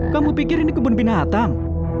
kamu pikir ini kebun binatang